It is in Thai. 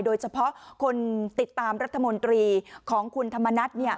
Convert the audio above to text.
โดยเฉพาะคนติดตามรัฐมนตรีของคุณธรรมนัฐ